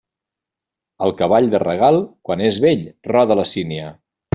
El cavall de regal, quan és vell, roda la sínia.